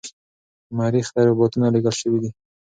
مریخ ته روباتونه لیږل شوي دي.